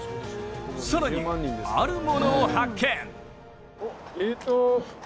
更にあるものを発見。